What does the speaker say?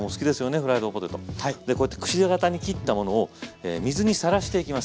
フライドポテト。でこうやってくし形に切ったものを水にさらしていきます。